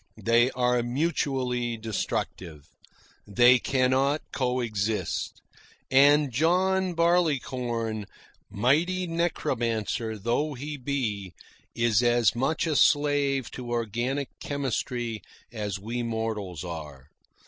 They are mutually destructive. They cannot co exist. And John Barleycorn, mighty necromancer though he be, is as much a slave to organic chemistry as we mortals are.